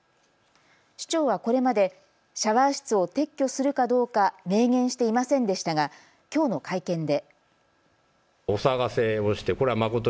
市長はこれまでシャワー室を撤去するかどうか明言していませんでしたがきょうの会見で。